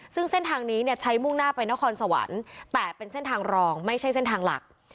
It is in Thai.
ซึ่งเส้นทางนี้เนี่ยใช้มุ่งหน้าไปนครสวรรค์แต่เป็นเส้นทางรองไม่ใช่เส้นทางหลัก